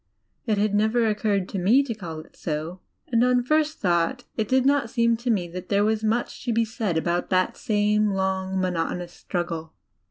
It had never occurred to me to call it so; and, on first thought, it did not seem xo me that there was much ra be said about that same long, monotonous struggle.